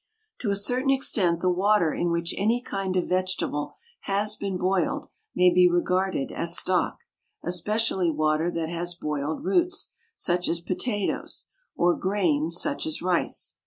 To a certain extent the water in which any kind of vegetable has been boiled may be regarded as stock, especially water that has boiled roots, such as potatoes; or grains, such as rice.